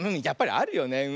やっぱりあるよね。